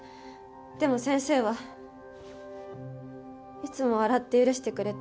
でも先生はいつも笑って許してくれて。